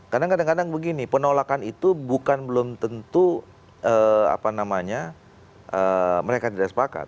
kadang kadang begini penolakan itu bukan belum tentu mereka tidak sepakat